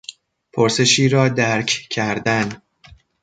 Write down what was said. پرسشی را درک کردن